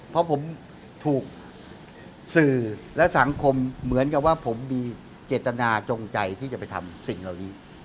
เพราะผมถูกสื่อและสังคมเหมือนกับว่าผมมีเจตนาจงใจที่จะไปทำสิ่งเหล่านี้